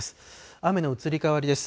雨の移り変わりです。